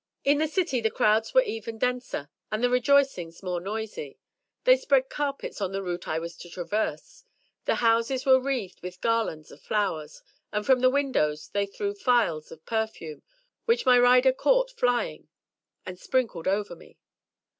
In the city the crowds were even denser, and the rejoicings more noisy. They spread carpets on the route I was to traverse; the houses were wreathed with garlands of flowers, and from the windows they threw phials of perfume, which my rider caught, flying and sprinkled over me.